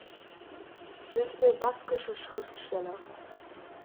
Liste baskischer Schriftsteller